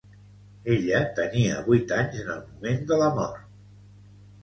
Ella tenia vuit anys en el moment de la mort.